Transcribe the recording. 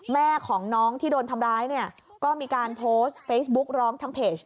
แม่ของน้องที่โดนทำร้ายเนี่ยก็มีการโพสต์เฟซบุ๊กร้องทางเพจ